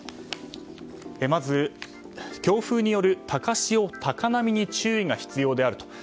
まず強風による高潮・高波に注意が必要であると。